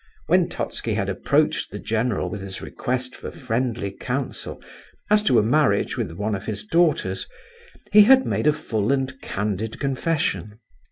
When Totski had approached the general with his request for friendly counsel as to a marriage with one of his daughters, he had made a full and candid confession.